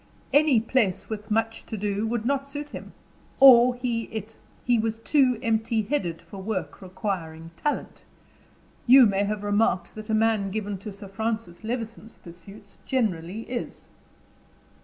Any place with much to do would not suit him, or he it; he was too empty headed for work requiring talent; you may have remarked that a man given to Sir Francis Levison's pursuits generally is.